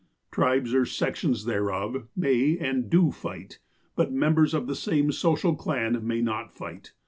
Tribes, or sections thereof, may, and do fight, but members of the same social clan may not fight.